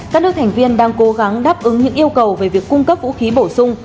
các nước thành viên đang cố gắng đáp ứng những yêu cầu về việc cung cấp vũ khí bổ sung